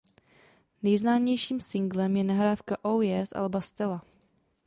Nejznámějším singlem je nahrávka Oh yeah z alba Stella.